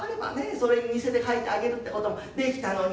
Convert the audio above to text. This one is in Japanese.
それに似せて描いてあげるってこともできたのに。